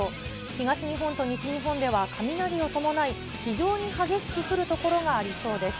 東日本と西日本では雷を伴い、非常に激しく降る所がありそうです。